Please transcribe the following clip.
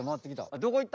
どこいった？